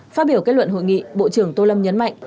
phát biểu kết luận hội nghị bộ trưởng tô lâm nhấn mạnh